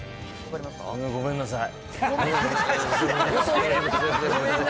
ごめんなさい。